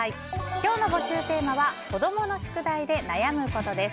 今日の募集テーマは子供の宿題で悩むことです。